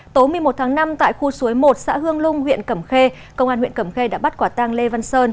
tối một mươi một tháng năm tại khu suối một xã hương lung huyện cẩm khê công an huyện cẩm khê đã bắt quả tang lê văn sơn